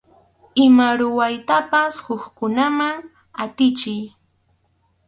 Ima ruraytapas hukkunaman atichiy.